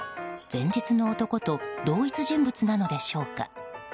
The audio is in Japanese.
前日の男と同一人物なのでしょうか。